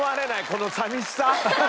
この寂しさ？